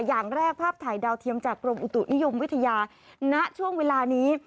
อย่างแรกภาพถ่ายดาวเทียมจากกรมอุตุนิยมวิทยาณช่วงเวลานี้